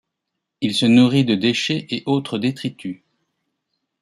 Il se nourrit de déchets et autres détritus.